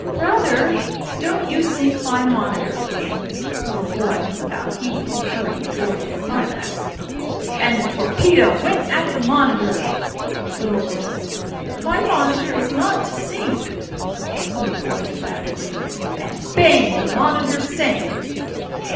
"Brother, don't you sink my monitor!" Little boy (without heeding, and hurrying toward the climax). "And the torpedo went at the monitor!" Little girl. "My monitor is not to sink!" Little boy, dramatically: "And bang the monitor sank!"